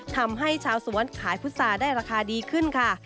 ทำให้ชาวสวนขายพุษาได้ราคาดีขึ้นค่ะ